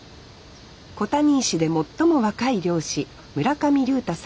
小谷石で最も若い漁師村上竜太さん３５歳。